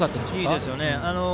いいですよね。